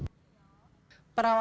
berapa banyak terdapat